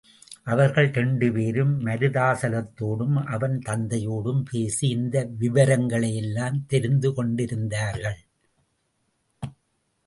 அவர்கள் இரண்டு பேரும் மருதாசலத்தோடும் அவன் தந்தையோடும் பேசி, இந்த விவரங்களையெல்லாம் தெரிந்துகொண்டிருந்தார்கள்.